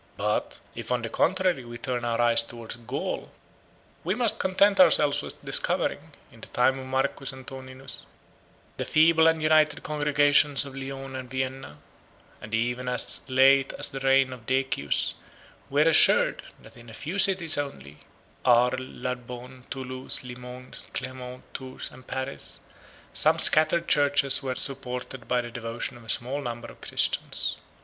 But if, on the contrary, we turn our eyes towards Gaul, we must content ourselves with discovering, in the time of Marcus Antoninus, the feeble and united congregations of Lyons and Vienna; and even as late as the reign of Decius we are assured, that in a few cities only, Arles, Narbonne, Thoulouse, Limoges, Clermont, Tours, and Paris, some scattered churches were supported by the devotion of a small number of Christians.